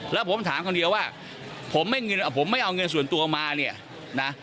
แล้วผมถามคนเดียวว่าผมไม่เงินผมไม่เอาเงินส่วนตัวมาเนี่ยนะ